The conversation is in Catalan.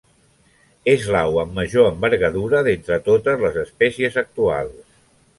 És l'au amb major envergadura d'entre totes les espècies actuals.